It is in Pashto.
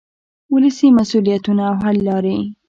ولسي مسؤلیتونه او حل لارې.